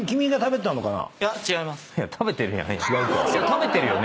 食べてるよね？